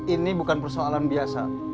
ini bukan persoalan biasa